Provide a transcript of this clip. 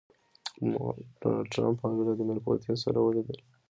ډونالډ ټرمپ او ويلاديمير پوتين سره وليدل.